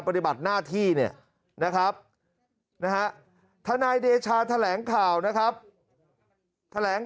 ปฏิบัติหน้าที่เนี่ยนะครับนะฮะทนายเดชาแถลงข่าวนะครับแถลง